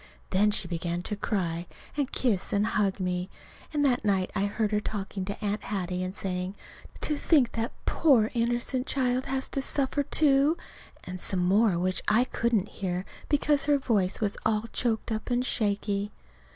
Then she began to cry, and kiss and hug me. And that night I heard her talking to Aunt Hattie and saying, "To think that that poor innocent child has to suffer, too!" and some more which I couldn't hear, because her voice was all choked up and shaky.